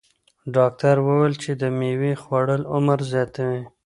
ډاکتر وویل چې د مېوې خوړل عمر زیاتوي.